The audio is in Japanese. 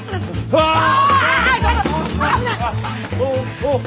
ああ！